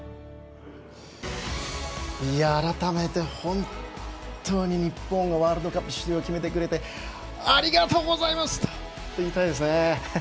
改めて、本当に日本がワールドカップ出場を決めてくれてありがとうございます！と言いたいですね。